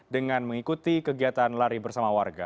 dengan mengikuti kegiatan lari bersama warga